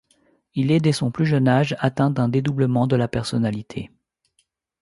Il est dès son plus jeune âge atteint d'un dédoublement de la personnalité.